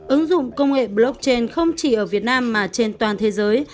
ứng dụng công nghệ blockchain không chỉ ở việt nam mà trên toàn thế giới